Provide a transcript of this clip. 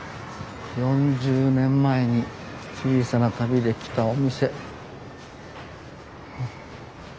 ４０年前に「小さな旅」で来たお店。